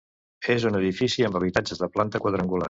És un edifici amb habitatges de planta quadrangular.